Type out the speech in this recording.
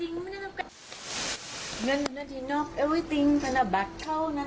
เงินที่เนอร์เอเวอร์ติ้งเป็นอาบัติเท่านั้น